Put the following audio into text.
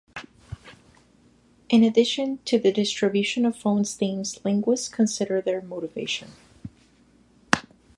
In addition to the distribution of phonesthemes, linguists consider their "motivation".